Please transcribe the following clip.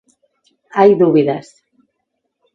Hai dúbidas.